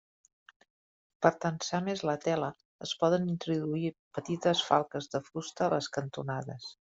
Per tensar més la tela es poden introduir petites falques de fusta a les cantonades.